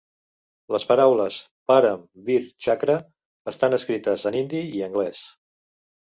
Les paraules "Param Vir Chakra" estan escrites en hindi i anglès.